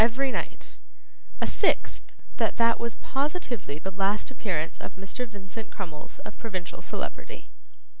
every night; a sixth, that that was positively the last appearance of Mr. Vincent Crummles of Provincial Celebrity.